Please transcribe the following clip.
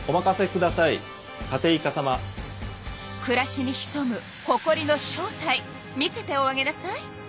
くらしにひそむほこりの正体見せておあげなさい。